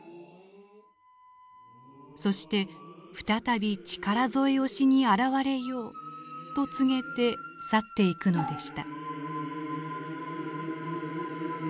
そして「再び力添えをしに現れよう」と告げて去っていくのでした。